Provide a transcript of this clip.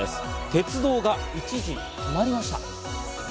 鉄道が一時止まりました。